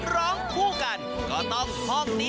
ร้องคู่กันก็ต้อง